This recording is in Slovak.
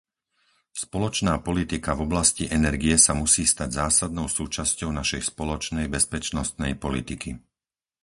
Spoločná politika v oblasti energie sa musí stať zásadnou súčasťou našej spoločnej bezpečnostnej politiky.